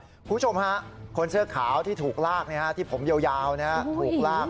คุณผู้ชมฮะคนเสื้อขาวที่ถูกลากที่ผมยาวถูกลาก